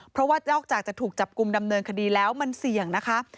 เพราะว่านอกจากจะถูกจับกลุ่มดำเนินคดีแล้วมันเสี่ยงนะคะ